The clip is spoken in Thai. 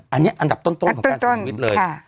อันนี้อันดับต้นของการเสียชีวิตเลย